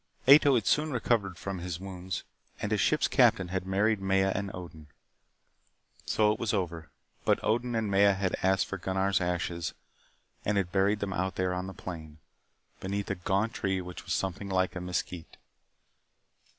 Ato had soon recovered from his wounds, and as ship's captain had married Maya and Odin. So it was over. But Odin and Maya had asked for Gunnar's ashes, and had buried them out there on the plain, beneath a gaunt tree which was something like a mesquite.